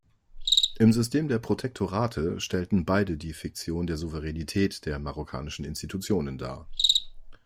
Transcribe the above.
Im System der Protektorate stellten beide die Fiktion der Souveränität der marokkanischen Institutionen dar.